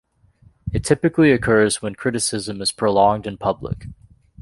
It typically occurs when criticism is prolonged and public.